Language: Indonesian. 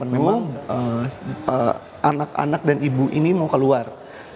memang anak anak dan ibu ini mau keluar